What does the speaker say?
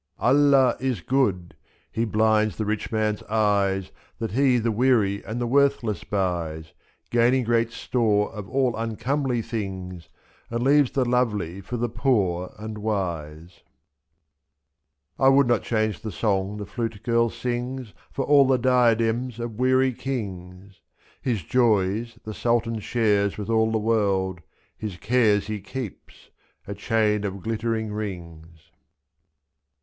Allah is good! he blinds the rich man's eyes That he the weary and the worthless buys, 7^0 Gaining great store of all uncomely things. And leaves the lovely for the poor and wise. 1 would not change the song the flute girl sings For all the diadems of weary kings, 5^A His joys the Sultan shares with all the world. His cares he keeps — a chain of glittering rings.